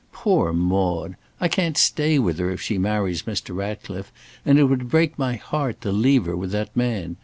Poor Maude! I can't stay with her if she marries Mr. Ratcliffe, and it would break my heart to leave her with that man.